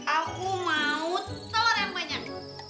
aku mau telur yang banyak